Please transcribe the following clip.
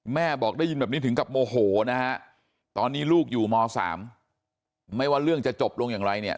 แม่บอกได้ยินแบบนี้ถึงกับโมโหนะฮะตอนนี้ลูกอยู่ม๓ไม่ว่าเรื่องจะจบลงอย่างไรเนี่ย